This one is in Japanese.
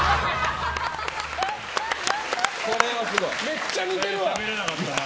めっちゃ似てる。